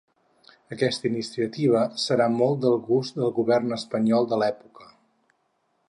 Aquesta iniciativa serà molt del gust del govern espanyol de l'època.